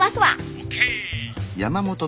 ＯＫ！